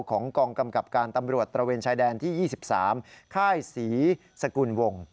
ของกองกำกับการตำรวจตระเวนชายแดนที่๒๓ค่ายศรีสกุลวง